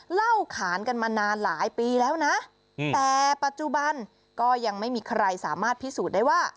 เล่าขานกันมานานหลายปีแล้วนะแต่ปัจจุบันก็ยังไม่มีใครสามารถพิสูจน์ได้ว่า